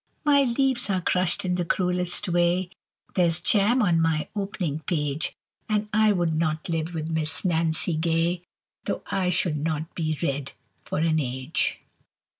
My leaves are crushed in the cruellest way, There's jam on my opening page, And I would not live with Miss Nancy Gay, Though I should not be read for an age.